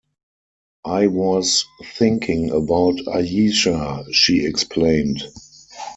“I was thinking about Ayesha,” she explained.